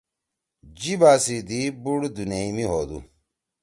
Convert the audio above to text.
جیِبا سی دی بُوڑ دُونیئ می ہودُو۔